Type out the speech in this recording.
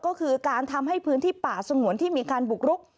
ก็คือการทำให้พื้นที่ป่าสงวนที่มีการบุกรุก